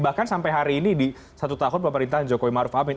bahkan sampai hari ini di satu tahun pemerintahan jokowi maruf amin